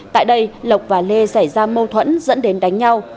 tại đây lộc và lê xảy ra mâu thuẫn dẫn đến đánh nhau